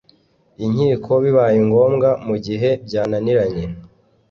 inkiko bibaye ngombwa mu gihe byananiranye